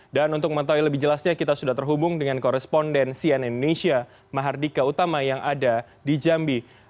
dan untuk mengetahui lebih jelasnya kita sudah terhubung dengan koresponden cn indonesia mahardika utama yang ada di jambi